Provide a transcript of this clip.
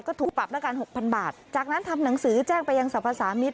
ก็ถูกปรับแล้วกัน๖๐๐๐บาท